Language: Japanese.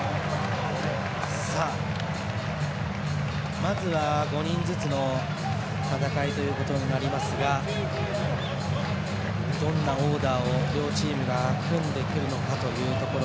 まずは５人ずつの戦いということになりますがどんなオーダーを両チームが組んでくるのかというところ。